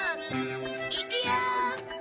いくよ！